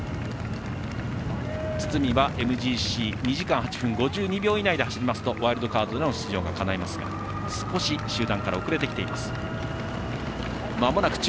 堤は、ＭＧＣ２時間８分５２秒以内で走りますとワイルドカードでの出場がかないますが少し、集団から遅れてきています。